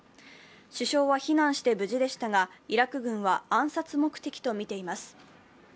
首相は避難して無事でしたがイラク軍は暗殺目的とみています。